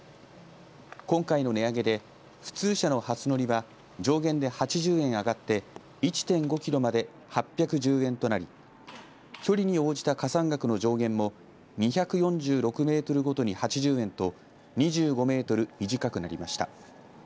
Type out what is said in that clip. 今回の値上げで普通車の初乗りは上限で８０円上がって１．５キロまで８１０円となり距離に応じた加算額の上限も２４６メートルごとに８０円と２５メートル短くなりました。